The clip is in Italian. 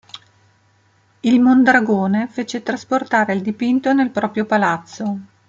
Il Mondragone fece trasportare il dipinto nel proprio palazzo.